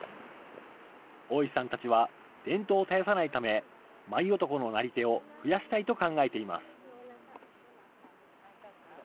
大石さんたちは伝統を絶やさないため、舞男のなり手を増やしたいと考えています。